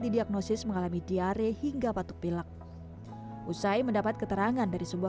didiagnosis mengalami diare hingga batuk pilak usai mendapat keterangan dari sebuah